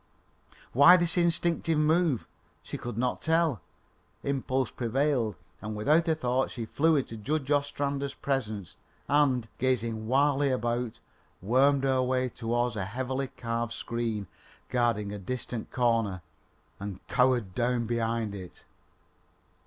Why this instinctive move? She could not tell. Impulse prevailed, and without a thought she flew into Judge Ostrander's presence, and, gazing wildly about, wormed her way towards a heavily carved screen guarding a distant corner, and cowered down behind it.